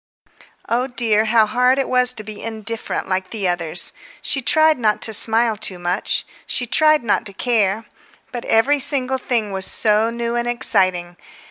Oh dear, how hard it was to be indifferent like the others! She tried not to smile too much; she tried not to care. But every single thing was so new and exciting...